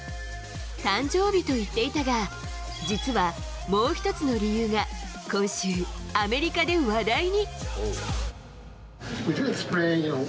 誕生日と言っていたが、実はもう一つの理由が、今週、アメリカで話題に。